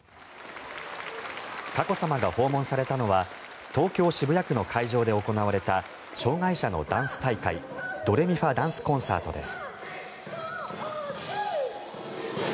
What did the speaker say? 佳子さまが訪問されたのは東京・渋谷区の会場で行われた障害者のダンス大会ドレミファダンスコンサートです。